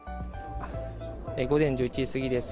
午前１１時過ぎです。